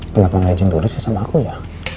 kenapa nggak izin dulu sih sama aku ya